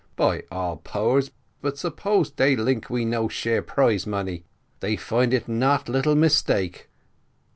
By all powers, but suppose dey tink we no share prize money they find it not little mistake.